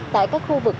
tại các khu vực